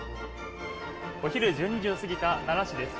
お昼１２時を過ぎた奈良市です。